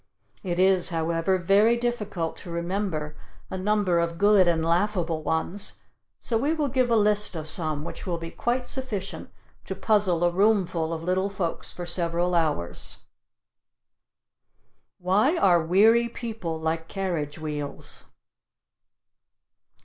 It is, however, very difficult to remember a number of good and laughable ones, so we will give a list of some, which will be quite sufficient to puzzle a roomful of little folks for several hours. Why are weary people like carriage wheels?